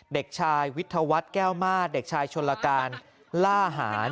เด็กชายวิทยาวัฒน์แก้วมาตรเด็กชายชนลการล่าหาร